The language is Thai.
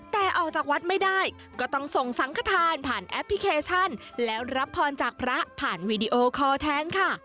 แต่ออกจากวัดไม่ได้ก็ต้องส่งสังขทานผ่านแอปพลิเคชันแล้วรับพรจากพระผ่านวีดีโอคอร์แทนค่ะ